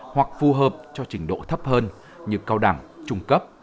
hoặc phù hợp cho trình độ thấp hơn như cao đẳng trung cấp